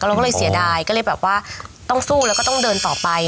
เราก็เลยเสียดายก็เลยแบบว่าต้องสู้แล้วก็ต้องเดินต่อไป